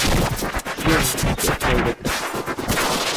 شوێنێکی زۆر تایبەتە.